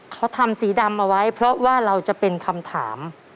เขาทำสีดำเอาไว้เพราะว่าเราจะเป็นคำถาม